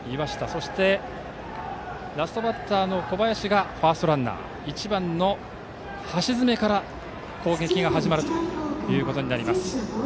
そして、ラストバッターの小林がファーストランナー１番の橋詰から攻撃が始まるということになります。